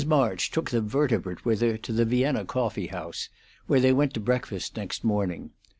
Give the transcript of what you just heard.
March took the vertebrate with her to the Vienna Coffee House, where they went to breakfast next morning.